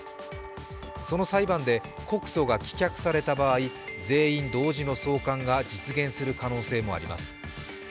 その裁判で告訴が棄却された場合、全員同時の送還が実現する可能性もあります。